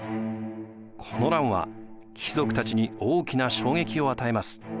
この乱は貴族たちに大きな衝撃を与えます。